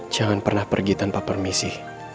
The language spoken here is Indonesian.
jangan pernah pergi tanpa permisi